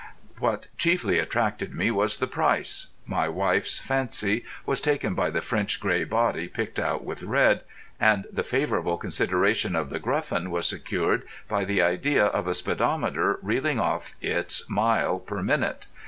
What chiefly attracted me was the price. My wife's fancy was taken by the French grey body picked out with red, and the favourable consideration of The Gruffin was secured by the idea of a speedometer reeling off its mile per minute.